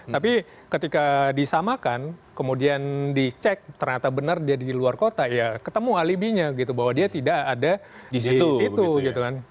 tapi ketika disamakan kemudian dicek ternyata benar dia di luar kota ya ketemu alibinya gitu bahwa dia tidak ada di situ gitu kan